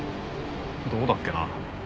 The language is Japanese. どこだっけな。